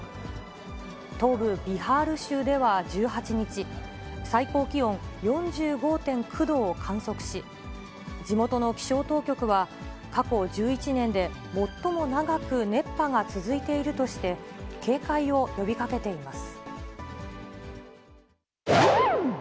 東部ビハール州では１８日、最高気温４５．９度を観測し、地元の気象当局は、過去１１年で最も長く熱波が続いているとして、警戒を呼びかけています。